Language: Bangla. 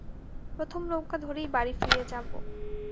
প্রথম নৌকা ধরেই বাড়ি ফিরে যাবো।